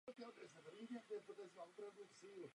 Je to denní živočich.